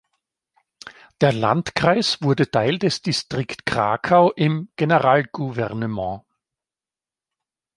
Der "Landkreis" wurde Teil des Distrikt Krakau im Generalgouvernement.